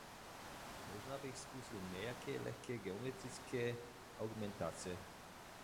Možná bych zkusil nějaké lehké geometrické augmentace.